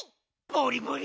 ボリボリ！